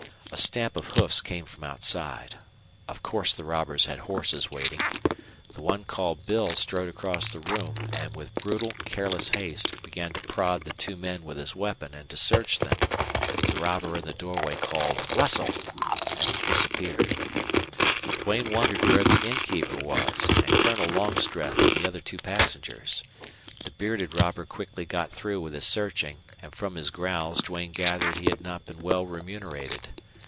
A stamp of hoofs came from outside. Of course the robbers had horses waiting. The one called Bill strode across the room, and with brutal, careless haste began to prod the two men with his weapon and to search them. The robber in the doorway called "Rustle!" and disappeared. Duane wondered where the innkeeper was, and Colonel Longstreth and the other two passengers. The bearded robber quickly got through with his searching, and from his growls Duane gathered he had not been well remunerated.